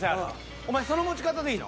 お前その持ち方でいいの？